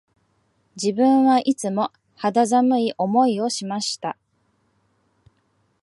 自分はいつも肌寒い思いをしました